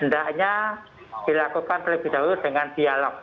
endahnya dilakukan lebih dahulu dengan dialog